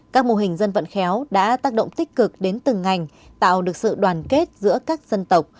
các mô hình dân vận khéo đã tác động tích cực đến từng ngành tạo được sự đoàn kết giữa các dân tộc